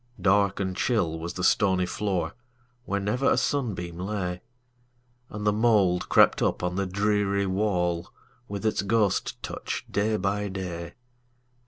Dark and chill was the stony floor, Where never a sunbeam lay, And the mould crept up on the dreary wall, With its ghost touch, day by day.